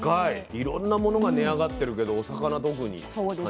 いろんなものが値上がってるけどお魚特に感じますね。